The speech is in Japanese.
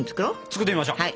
作ってみましょう。